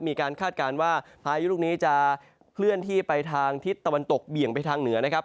คาดการณ์ว่าพายุลูกนี้จะเคลื่อนที่ไปทางทิศตะวันตกเบี่ยงไปทางเหนือนะครับ